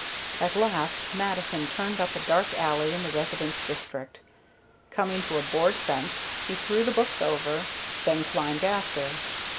At last Mattison turned up a dark alley in the residence district. Coming to a board fence, he threw the books over, then climbed after.